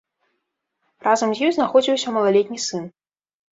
Разам з ёй знаходзіўся малалетні сын.